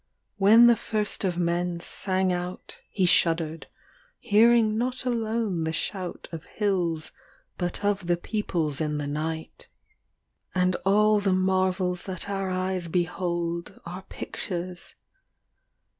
When the first of men sang out, He shuddered, hearing not alone the shout Of hills but of the peoples in the night. LXYII And all the marvels that our eyes behold Are pictures.